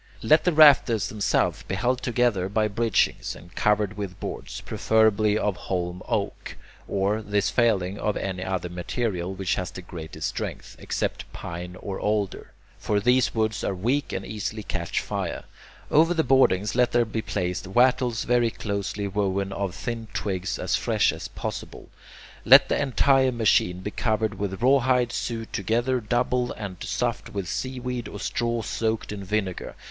Let the rafters themselves be held together by bridgings, and covered with boards, preferably of holm oak, or, this failing, of any other material which has the greatest strength, except pine or alder. For these woods are weak and easily catch fire. Over the boardings let there be placed wattles very closely woven of thin twigs as fresh as possible. Let the entire machine be covered with rawhide sewed together double and stuffed with seaweed or straw soaked in vinegar.